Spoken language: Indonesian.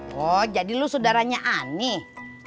pok jadi lo saudaranya aneh